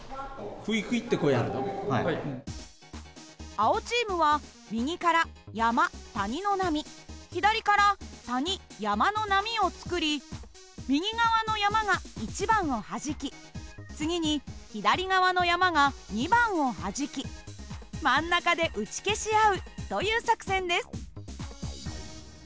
青チームは右から山谷の波左から谷山の波を作り右側の山が１番をはじき次に左側の山が２番をはじき真ん中で打ち消し合うという作戦です。